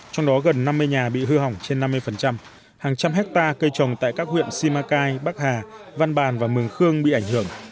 trong đó gần năm mươi nhà bị hư hỏng trên năm mươi hàng trăm hectare cây trồng tại các huyện simacai bắc hà văn bàn và mường khương bị ảnh hưởng